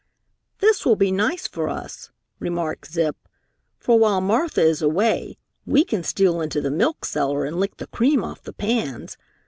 "This will be nice for us," remarked Zip, "for while Martha is away, we can steal into the milk cellar and lick the cream off the pans.